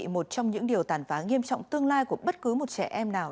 một trong những điều tàn phá nghiêm trọng tương lai của bất cứ một trẻ em nào